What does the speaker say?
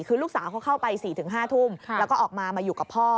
คือลูกสาวเขาเข้าไป๔๕ทุ่มแล้วก็ออกมามาอยู่กับพ่อ